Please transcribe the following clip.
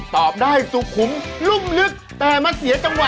ตอบได้สุขุมรุ่มลึกแต่มาเสียจังหวะ